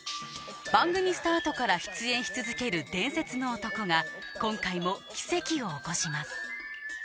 番組スタートから出演し続ける伝説の男が今回も奇跡を起こします